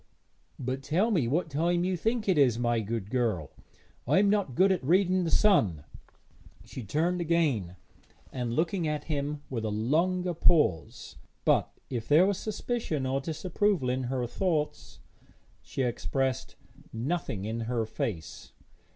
'But tell me what time you think it is, my good girl; I am not good at reading the sun.' She turned again, and looked at him with a longer pause, but, if there was suspicion or disapproval in her thoughts, she expressed nothing in her face.